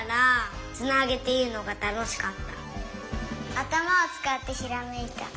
あたまをつかってひらめいた。